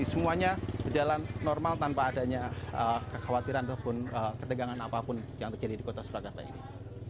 semuanya berjalan normal tanpa adanya kekhawatiran ataupun ketegangan apapun yang terjadi di kota surakarta ini